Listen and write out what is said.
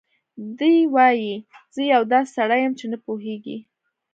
دی وايي: "زه یو داسې سړی یم چې نه پوهېږي